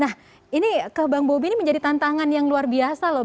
nah ini ke bang bobi ini menjadi tantangan yang luar biasa loh